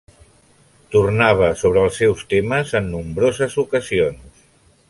Tornava sobre els seus temes en nombroses ocasions.